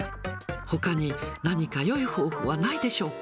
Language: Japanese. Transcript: ほかに何かよい方法はないでしょうか。